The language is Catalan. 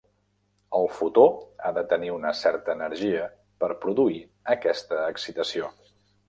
El fotó ha de tenir una certa energia per produir aquesta excitació.